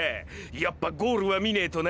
やっぱゴールは見ねェとな！！